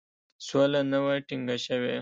سوله نه وه ټینګه شوې.